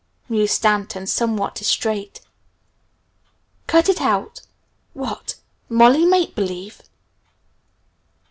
mused Stanton somewhat distrait. "Cut it out? What! Molly Make Believe?"